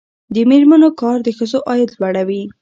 د میرمنو کار د ښځو عاید لوړوي.